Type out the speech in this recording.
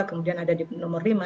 kemudian ada di nomor lima